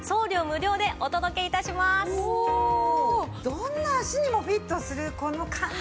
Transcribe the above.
どんな足にもフィットするこの感じをね